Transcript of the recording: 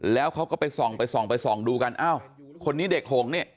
แล้วเขาก็ไปส่องไปส่องไปส่องดูกันอ้าวคนนี้เด็กหงนี่